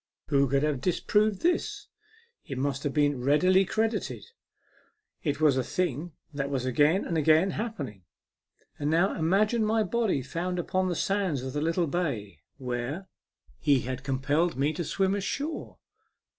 Who could have disproved this ? It must have been readily credited. It was a thing that was again and again happen ing. And now imagine my body found upon the sands of the little bay where he had com A MEMORABLE SWIM. 91 pelled me to swim ashore